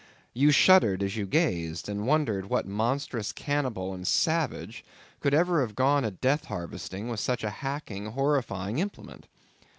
You shuddered as you gazed, and wondered what monstrous cannibal and savage could ever have gone a death harvesting with such a hacking, horrifying implement.